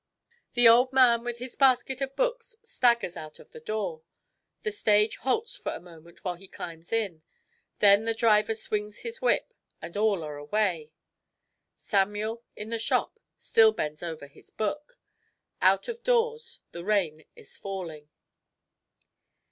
The old man with his basket of books staggers out of the door. The stage halts for a moment while he climbs inside. Then the driver swangs his whip, and all are away. Samuel, in the shop, still bends over his book. Out of doors the rain is falling.